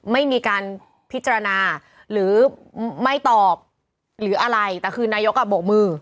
ไม่มีการพิจารณาหรือไม่ตอบหรืออะไรแต่คือนายกอ่ะโบกมือ